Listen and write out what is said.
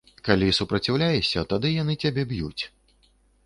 Калі супраціўляешся, тады яны цябе б'юць.